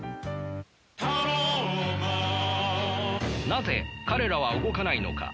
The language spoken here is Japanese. なぜ彼らは動かないのか。